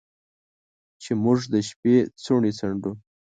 چې موږ د شپو څوڼې څنډو